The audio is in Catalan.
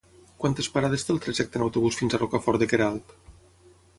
Quantes parades té el trajecte en autobús fins a Rocafort de Queralt?